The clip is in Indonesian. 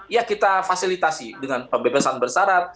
ya kita fasilitasi dengan pembebasan bersarat